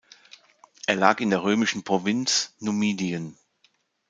Er lag in der römischen Provinz Numidien.